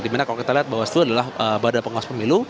dimana kalau kita lihat bawaslu adalah badan pengawas pemilu